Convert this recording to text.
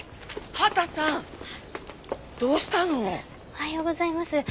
おはようございます。